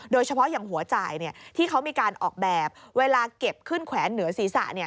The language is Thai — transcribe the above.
โดยเฉพาะอย่างหัวจ่ายที่เขามีการออกแบบเวลาเก็บขึ้นแขวนเหนือศีรษะ